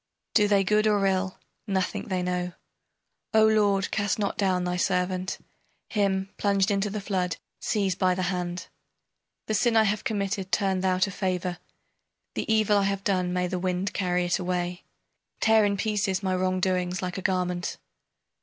Do they good or ill, nothing they know. O lord, cast not down thy servant! Him, plunged into the flood, seize by the hand! The sin I have committed turn thou to favor! The evil I have done may the wind carry it away! Tear in pieces my wrong doings like a garment!